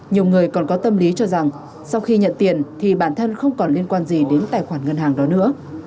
nhiều người còn có tâm lý cho rằng sau khi nhận tiền thì bản thân không còn liên quan gì đến tài khoản ngân hàng đó nữa